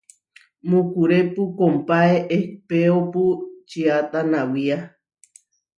Mukurépu kompáe ehpéopu čiatá nawía.